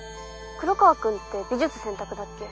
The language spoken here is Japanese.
黒川くんって美術選択だっけ？